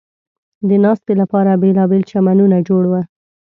د ناستې لپاره بېلابېل چمنونه جوړ و.